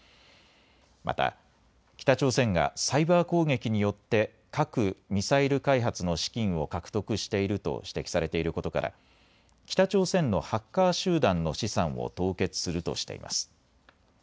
また、北朝鮮がサイバー攻撃によって核・ミサイル開発の資金を獲得していると指摘されていることから北朝鮮のハッカー集団の資産を凍結するとしています。